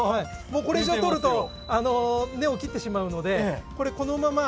もうこれ以上取ると根を切ってしまうのでこれこのまま。